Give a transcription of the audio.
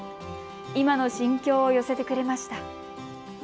今の心境を寄せてくれました。